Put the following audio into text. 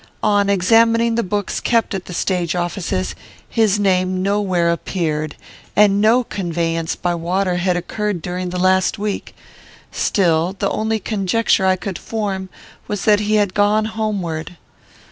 On examining the books kept at the stage offices, his name nowhere appeared, and no conveyance by water had occurred during the last week. Still, the only conjecture I could form was that he had gone homeward.